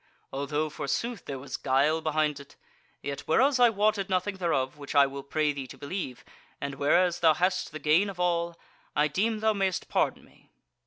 Although, forsooth, there was guile behind it. Yet whereas I wotted nothing thereof, which I will pray thee to believe, and whereas thou hast the gain of all, I deem thou mayst pardon me."